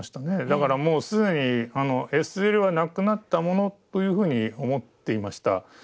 だからもう既にＳＬはなくなったものというふうに思っていました。